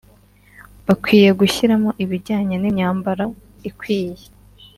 bakwiye gushyiramo ibijyanye n’imyambaro ikwiye